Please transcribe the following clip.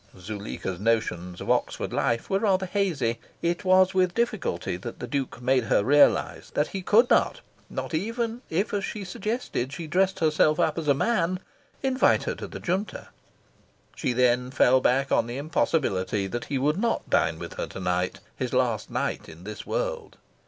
Zuleika's notions of Oxford life were rather hazy. It was with difficulty that the Duke made her realise that he could not not even if, as she suggested, she dressed herself up as a man invite her to the Junta. She then fell back on the impossibility that he would not dine with her to night, his last night in this world.